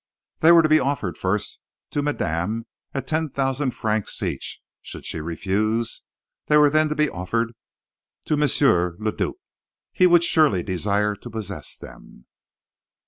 "They were to be offered first to madame at ten thousand francs each; should she refuse, they were then to be offered to M. le Duc he would surely desire to possess them!"